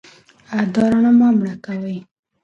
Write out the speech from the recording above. دا رڼا مه مړه کوئ.